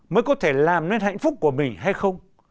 mới có thể làm nên hạnh phúc của mình hay không